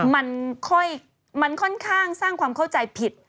มันค่อนข้างสร้างความเข้าใจผิด